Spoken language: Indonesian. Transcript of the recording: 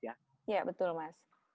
iya betul mas